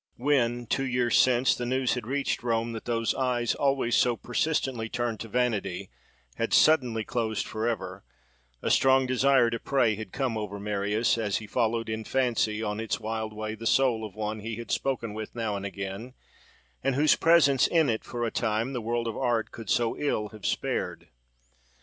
When, two years since, the news had reached Rome that those eyes, always so persistently turned to vanity, had suddenly closed for ever, a strong desire to pray had come over Marius, as he followed in fancy on its wild way the soul of one he had spoken with now and again, and whose presence in it for a time the world of art could so ill have spared.